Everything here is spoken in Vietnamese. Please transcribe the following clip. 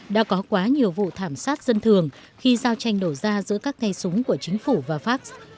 đã có quá nhiều vụ thảm sát dân thường khi giao tranh nổ ra giữa các tay súng của chính phủ và pháp